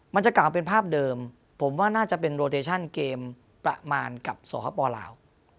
มันจะกล่าวเป็นภาพเดิมผมว่าน่าจะเป็นโลเตชั่นเกมประมาณกับสหปลาว